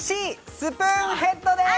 スプーンヘッドです！